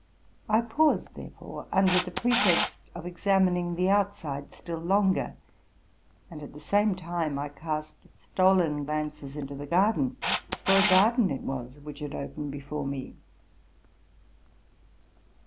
I paused, therefore, under the pretext of examining the outside still longer; and at the same time I cast stolen glances into the carden, for a garden it was which had opened before me.